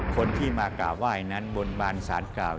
คนที่มากราบไหว้นั้นบนบานสารกล่าว